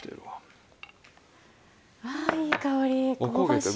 わあいい香り！